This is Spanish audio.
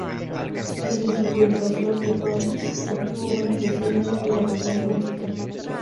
Desde su publicación, "The Promise" obtuvo buenas reseñas de la prensa musical.